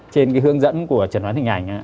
trên cái hướng dẫn của trần hoán hình ảnh